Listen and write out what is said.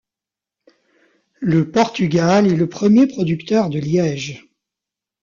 Le Portugal est le premier producteur de liège.